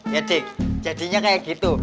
ya dik jadinya kayak gitu